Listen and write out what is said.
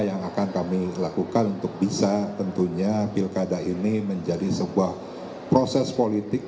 yang akan kami lakukan untuk bisa tentunya pilkada ini menjadi sebuah proses politik